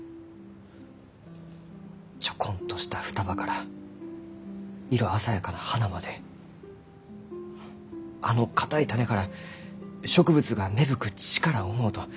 ちょこんとした双葉から色鮮やかな花まであの硬い種から植物が芽吹く力を思うと胸が熱うなります。